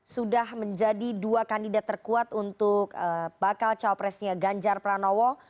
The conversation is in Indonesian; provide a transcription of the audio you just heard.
sudah menjadi dua kandidat terkuat untuk bakal cawapresnya ganjar pranowo